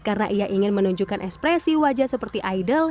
karena ia ingin menunjukkan ekspresi wajah seperti idol